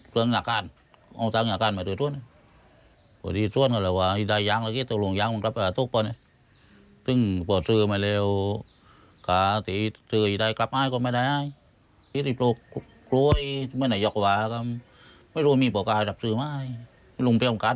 พี่รุ่งอาจจะการมีเวลาที่จะใช้เท่ากับเกษตร